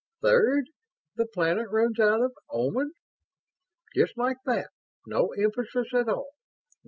'Third, the planet runs out of Omans'. Just like that no emphasis at all.